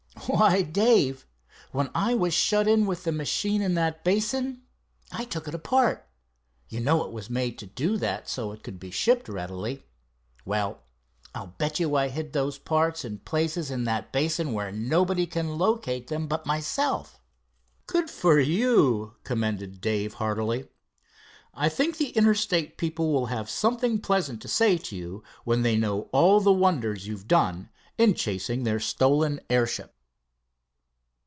"Why, Dave, when I was shut in with the machine in that basin, I took it apart. You know it was made to do that, so it could be shipped readily. Well, I'll bet you I hid those parts in places in that basin where nobody can locate them but myself." "Good for you!" commended Dave heartily. "I think the Interstate people will have something pleasant to say to you when they know all the wonders you've done in chasing their stolen airship."